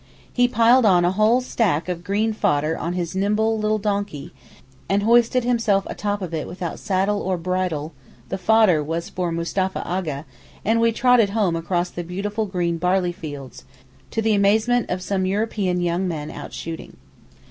He piled a whole stack of green fodder on his little nimble donkey, and hoisted himself atop of it without saddle or bridle (the fodder was for Mustapha A'gha), and we trotted home across the beautiful green barley fields, to the amazement of some European young men out shooting.